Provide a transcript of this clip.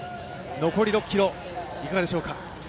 残り６ｋｍ、いかがでしょうか。